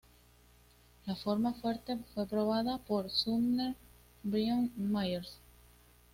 La forma fuerte fue probada por Sumner Byron Myers.